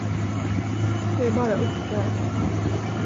Jag är bara upprörd.